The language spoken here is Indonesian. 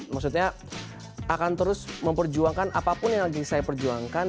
maksudnya akan terus memperjuangkan apapun yang lagi saya perjuangkan